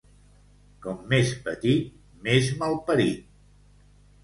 Com més petit, més malparit.